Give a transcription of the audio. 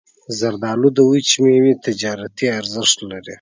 زردالو د وچې میوې تجارتي ارزښت لري.